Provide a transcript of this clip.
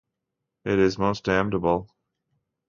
It is most damnable!